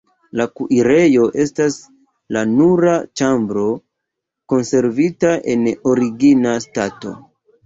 La kuirejo estas la nura ĉambro konservita en origina stato.